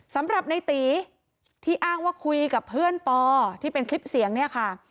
สำหรับในตีที่อ้างว่าคุยกับเพื่อนปอที่เป็นคลิปเสียงเนี่ยค่ะ